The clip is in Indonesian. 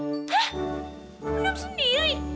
hah minum sendiri